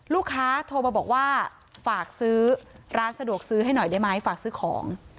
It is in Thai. โทรมาบอกว่าฝากซื้อร้านสะดวกซื้อให้หน่อยได้ไหมฝากซื้อของ